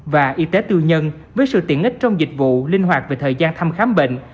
và y tế tư nhân với sự tiện ích trong dịch vụ linh hoạt về thời gian thăm khám bệnh